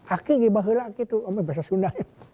aku seperti bahasa sunda